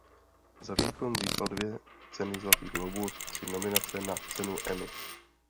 Za výkon získal dvě ceny Zlatý glóbus tři nominace na cenu Emmy.